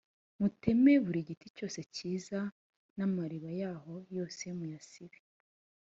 muteme buri giti cyose cyiza namariba yaho yose muyasibe